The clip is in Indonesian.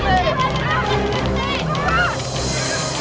bang operasi sayang itu ps